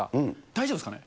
大丈夫ですかね。